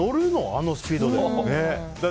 あのスピードで。